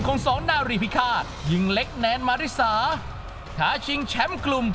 โห้งานช้างเลยค่ะหนักเร็ยงันหนักเลย